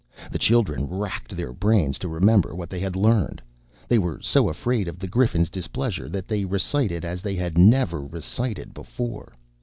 The children racked their brains to remember what they had learned. They were so afraid of the Griffin's displeasure that they recited as they had never recited before.